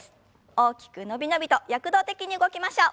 大きく伸び伸びと躍動的に動きましょう。